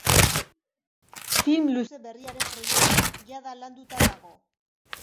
Film luze berriaren proiektua jada landuta dago.